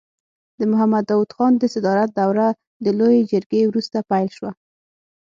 د محمد داود خان د صدارت دوره د لويې جرګې وروسته پیل شوه.